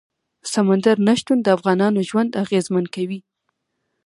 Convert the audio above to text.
سمندر نه شتون د افغانانو ژوند اغېزمن کوي.